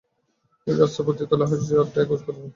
তিনি রাস্তা, পতিতালয় ও হাশিশের আড্ডায় খোঁজ করতেন।